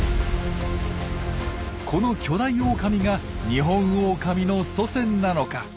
この巨大オオカミがニホンオオカミの祖先なのか？